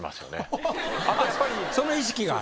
その意識がある。